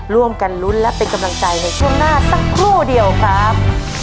ร่วมกันลุ้นและเป็นกำลังใจในช่วงหน้าสักครู่เดียวครับ